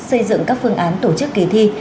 xây dựng các phương án tổ chức kỳ thi